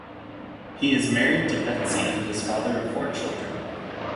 He is married to Betsy and is the father of four children.